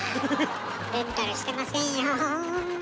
レンタルしてませんよ。